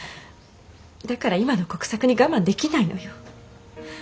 だから今の国策に我慢できないのよ。